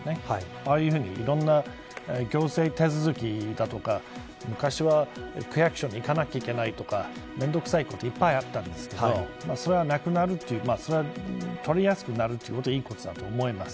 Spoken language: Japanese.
ああいうふうにいろんな行政手続きだとか昔は区役所に行かなきゃいけないとか面倒くさいことがたくさんありましたがそれがなくなって取りやすくなるのはいいことだと思います。